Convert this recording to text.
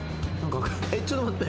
ちょっと待って。